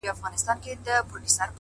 قناعت د ارام ذهن پټ راز دی’